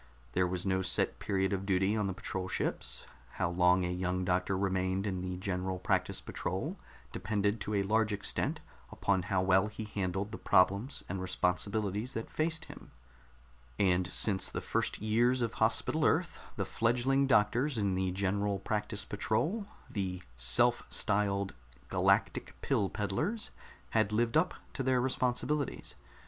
There was no set period of duty on the patrol ships; how long a young doctor remained in the General Practice Patrol depended to a large extent upon how well he handled the problems and responsibilities that faced him; and since the first years of Hospital Earth, the fledgling doctors in the General Practice Patrol the self styled "Galactic Pill Peddlers" had lived up to their responsibilities.